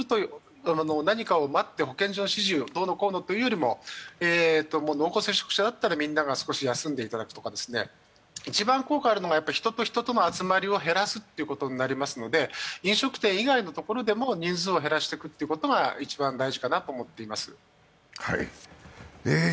何かを待って、保健所の指示をどうのこうのというよりも、濃厚接触者だったらみんなが少し休んでいただくとか一番効果があるのが、人と人との集まりを減らすということになりますので、飲食店以外の所でも人数を減らしていくということは一番大事かなと思っています。